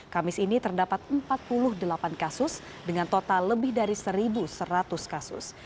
kamis ini terdapat empat puluh delapan kasus dengan total lebih dari satu seratus kasus